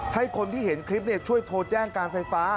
ให้คนที่เห็นคลิปช่วยโทรแจ้งการไฟฟ้า